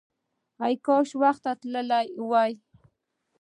کاشکې وختي تللی وای!